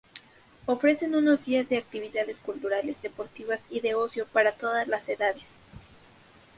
Ofrecen unos días de actividades culturales, deportivas y de ocio para todas las edades.